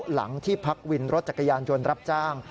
หลังที่พักวินรถจักรยานยนต์รับจ้าง